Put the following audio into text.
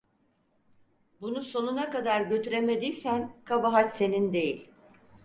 Bunu sonuna kadar götüremediysen, kabahat senin değil.